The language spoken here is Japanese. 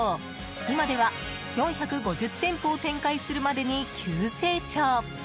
今では４５０店舗を展開するまでに急成長。